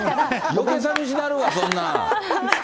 よけいさみしなるわ、そんなん。